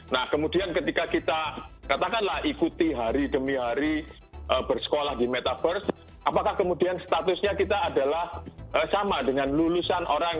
nah kemudian ketika kita katakanlah ikuti hari demi hari bersekolah di metaverse apakah kemudian statusnya kita adalah sama dengan lulusan orang